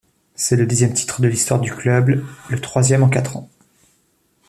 C'est le dixième titre de l'histoire du club, le troisième en quatre ans.